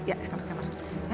ya sama ke kamar